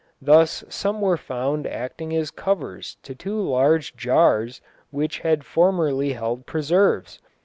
Thus some were found acting as covers to two large jars which had formerly held preserves.